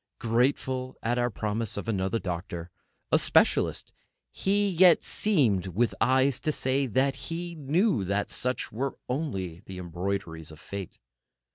Grateful at our promise of another doctor, a specialist, he yet seemed with his eyes to say that he knew that such were only embroideries of Fate.